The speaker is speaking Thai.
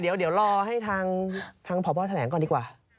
เดี๋ยวรอให้ทางพบแถลงก่อนดีกว่า